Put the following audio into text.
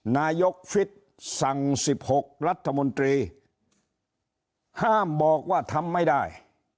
นายกฟิตสั่ง๑๖รัฐมนตรีห้ามบอกว่าทำไม่ได้